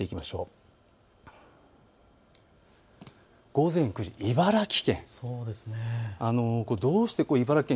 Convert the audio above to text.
午前９時、茨城県。